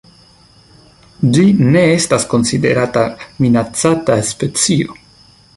Ĝi ne estas konsiderata minacata specio.